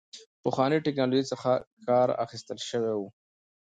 پخوانۍ ټکنالوژۍ څخه کار اخیستل شوی و.